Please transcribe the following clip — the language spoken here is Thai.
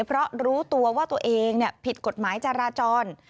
เพราะรู้ตัวว่าตัวเองผิดกฎหมายจราจร